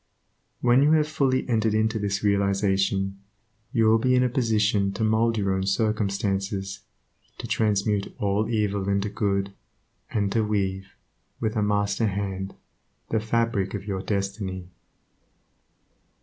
When you have fully entered into this realization, you will be in a position to mould your own circumstances, to transmute all evil into good and to weave, with a master hand, the fabric of your destiny.